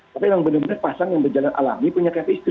tapi memang benar benar pasang yang berjalan alami punya chemistr